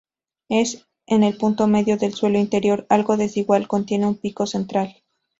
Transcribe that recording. En el punto medio del suelo interior, algo desigual, contiene un pico central.